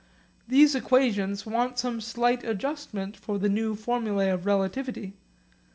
These equations want some slight adjustment for the new formulae of relativity.